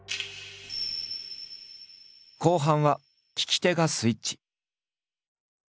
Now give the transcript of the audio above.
後半は聞き手がスイッチ。